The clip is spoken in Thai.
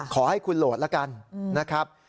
ขอให้คุณโหลดละกันนะครับ